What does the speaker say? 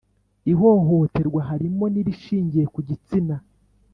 Ihohoterwa harimo n’irishingiye ku gitsina